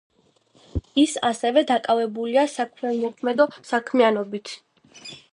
ის ასევე დაკავებულია საქველმოქმედო საქმიანობით.